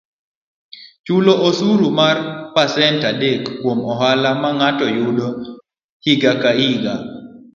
Chulo osuru mar pasent adek kuom ohala ma ng'ato yudo higa ka higa,